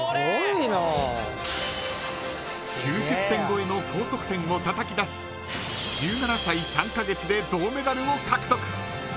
９０点超えの高得点をたたき出し１７歳３カ月で銅メダルを獲得。